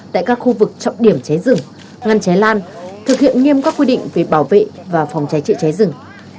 tại các khu vực trọng điểm cháy rừng ngăn cháy lan thực hiện nghiêm các quy định về bảo vệ và phòng cháy chữa cháy rừng